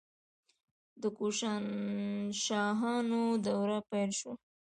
د کوشانشاهانو دوره پیل شوه